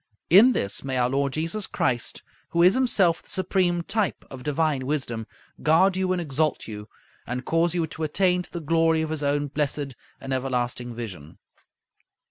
In this may our Lord Jesus Christ, who is himself the supreme type of divine wisdom, guard you and exalt you, and cause you to attain to the glory of His own blessed and everlasting vision.